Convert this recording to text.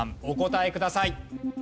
お答えください。